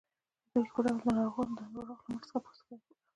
د بیلګې په ډول د ناروغ له مټ څخه پوستکی اخلي.